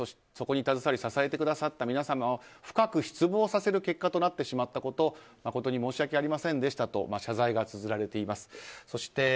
そこに携わり支えてくださった皆様を深く失望させる結果となってしまったこと誠に申し訳ありませんでしたと謝罪されています。